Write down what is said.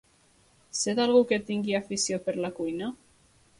Sé d'algú que tingui afició per la cuina?